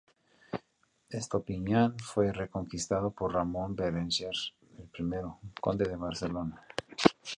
Estopiñán fue reconquistado por Ramón Berenguer I, conde de Barcelona.